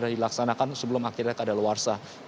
segera dilaksanakan sebelum akhirnya keadaan luar saha